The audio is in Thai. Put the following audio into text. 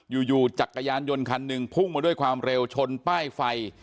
อยู่จักรยานยนต์คันหนึ่งพุ่งมาด้วยความเร็วชนป้ายไฟ